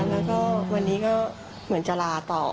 แล้วก็วันนี้ก็เหมือนจะลาต่อ